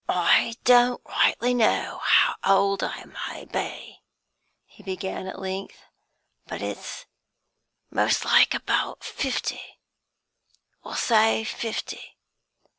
"I don't rightly know how old I may be," he began at length, "but it's most like about fifty; we'll say fifty.